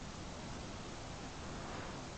La cola es más clara que el dorso.